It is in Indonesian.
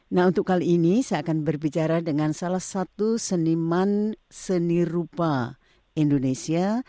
nah untuk kali ini saya akan berbicara dengan salah satu seniman seni rupa indonesia